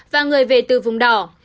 và người về từ vùng đỏ